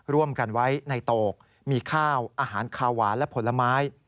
ร่วมกันไว้ในโตกมีข้าวอาหารคาหวานและผลไม้